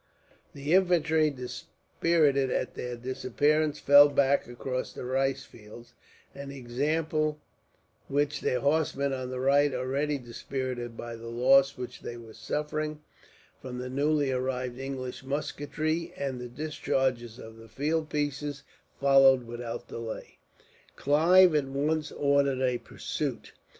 The infantry, dispirited at their disappearance, fell back across the rice fields; an example which their horsemen on their right, already dispirited by the loss which they were suffering, from the newly arrived English musketry and the discharges of the field pieces, followed without delay. Clive at once ordered a pursuit.